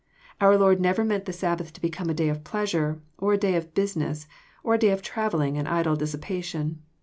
Our Lord never meant the Sabbath to become a day of pleasure, or a day of business, or a day of travelling and idle dissipa tion.